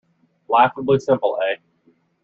Laughably simple, eh?